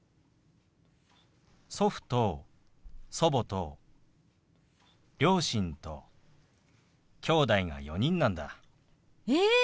祖父と祖母と両親ときょうだいが４人なんだ。え！